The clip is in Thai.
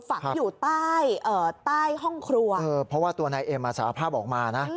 ฝังอยู่ใต้ห้องครัวเพราะว่าตัวนายเอ็มสารภาพออกมานะ